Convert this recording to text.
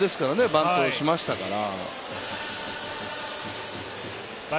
バントをしましたから。